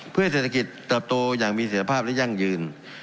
เพื่อให้เศรษฐกิจเติบโตอย่างมีเสียภาพและยั่งยืน